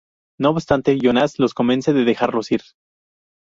No obstante, Jonas los convence de dejarlos ir.